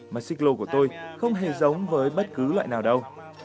mà xích lô của tôi không hề giống với bất cứ loại nào đâu